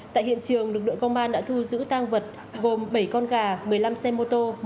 tại hiện trường lực lượng công an đã thu giữ tăng vật gồm bảy con gà một mươi năm xe mô tô